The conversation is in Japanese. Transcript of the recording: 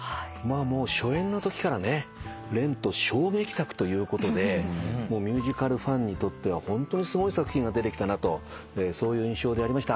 もう初演のときからね『ＲＥＮＴ』衝撃作ということでミュージカルファンにとってはホントにすごい作品が出てきたなとそういう印象でありました。